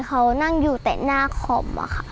เขานั่งอยู่เตะหน้าคอมอะค่ะ